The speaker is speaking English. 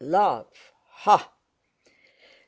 Love! Hah!